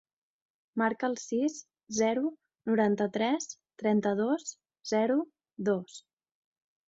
Marca el sis, zero, noranta-tres, trenta-dos, zero, dos.